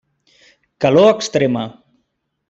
Calor Extrema.